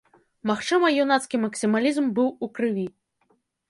Магчыма, юнацкі максімалізм быў у крыві.